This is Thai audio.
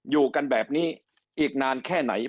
อยู่กันแบบนี้อีกนานแค่ไหน